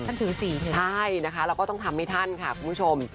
ท่านถือสินถือสินใช่นะคะเราก็ต้องทำให้ท่านค่ะคุณผู้ชม